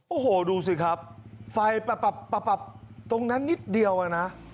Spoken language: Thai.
โอ้โหดูสิครับไฟปับตรงนั้นนิดเดียวอะนะ